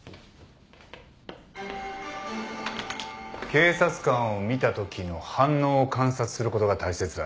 警察官を見たときの反応を観察することが大切だ。